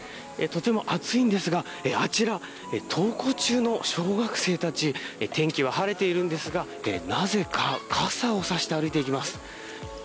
とても暑いんですがあちら、登校中の小学生たち天気は晴れているんですがなぜか傘をさして歩いています。